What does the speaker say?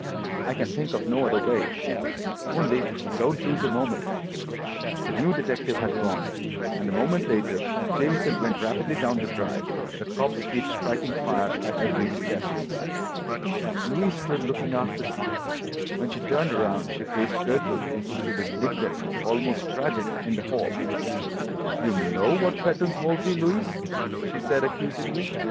I can think of no other way. Only, don't lose a moment." The new detective had gone, and a moment later Jamieson went rapidly down the drive, the cob's feet striking fire at every step. Louise stood looking after them. When she turned around she faced Gertrude, who stood indignant, almost tragic, in the hall. "You KNOW what threatens Halsey, Louise," she said accusingly.